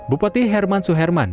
bupati herman suherman